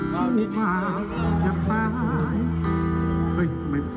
ถูกบ้านไหม